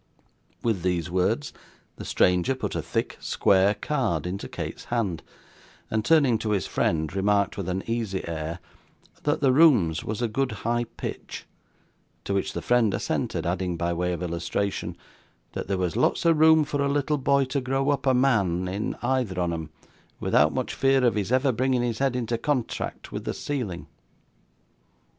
With these words, the stranger put a thick square card into Kate's hand, and, turning to his friend, remarked, with an easy air, 'that the rooms was a good high pitch;' to which the friend assented, adding, by way of illustration, 'that there was lots of room for a little boy to grow up a man in either on 'em, vithout much fear of his ever bringing his head into contract vith the ceiling.